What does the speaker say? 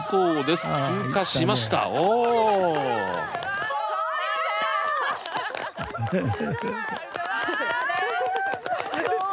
すごい。